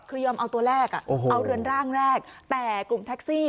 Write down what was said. คือยอมเอาตัวแรกเอาเรือนร่างแรกแต่กลุ่มแท็กซี่